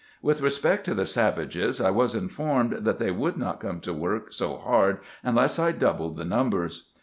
With respect to the savages, I was in formed, that they wovdd not come to work so hard, unless I doubled the numbers.